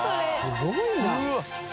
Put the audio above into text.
すごいな。